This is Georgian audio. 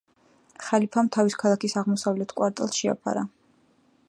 ხალიფამ თავი ქალაქის აღმოსავლეთ კვარტალს შეაფარა.